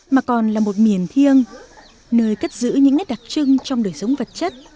mà còn là một miền thiêng nơi cất giữ những nét đặc trưng trong đời sống vật chất